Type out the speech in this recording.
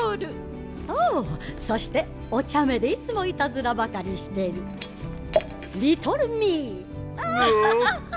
おうそしておちゃめでいつもいたずらばかりしてるリトルミイ！